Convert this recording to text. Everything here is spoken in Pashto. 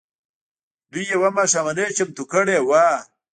دوی يوه ماښامنۍ چمتو کړې وه.